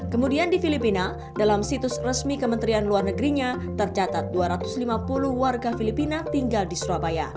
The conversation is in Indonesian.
kemudian di filipina dalam situs resmi kementerian luar negerinya tercatat dua ratus lima puluh warga filipina tinggal di surabaya